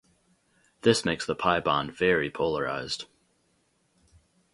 This makes the pi bond very polarized.